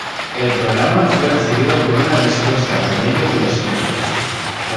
El programa fue recibido con una respuesta promedio de los críticos.